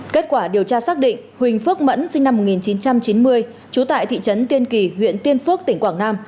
kết quả điều tra xác định huỳnh phước mẫn sinh năm một nghìn chín trăm chín mươi trú tại thị trấn tiên kỳ huyện tiên phước tỉnh quảng nam